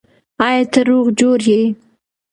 آیا ته روغ جوړ یې؟